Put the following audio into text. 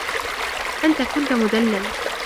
أنت كنتَ مدلّل.